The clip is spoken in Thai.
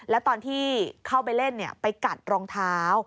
แล้วตอนที่เข้าไปเล่นไปกัดรองเท้า